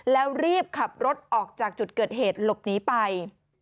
แล้วรีบขับรถออกจากจุดเกิดเหตุหลบหนีไป